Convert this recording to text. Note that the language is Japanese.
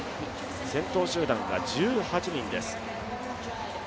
先頭集団が１８人です。